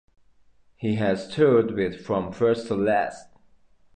He has toured with From First To Last.